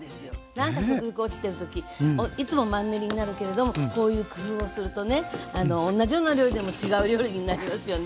なんか食欲落ちてる時いつもマンネリになるけれどもこういう工夫をするとね同じような料理でも違う料理になりますよね。